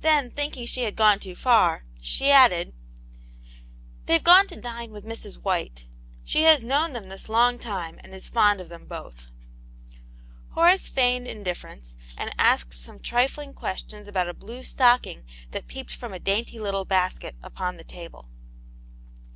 Then thinking she had gone too far, she added — "They've gone to dine with Mrs. White. She has known them this long time, and is fond of them both." Horace feigned indifference, and asked some tri fling questions about a blue stocking that peeped from a dainty little basket upon the table.